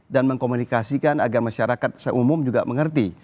dan mengkomunikasikan agar masyarakat seumum juga mengerti